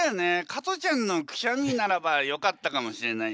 加トちゃんのくしゃみならばよかったかもしれないよね。